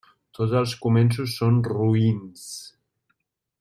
Tots els començos són roïns.